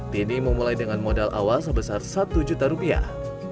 tini memulai dengan modal awal sebesar satu juta rupiah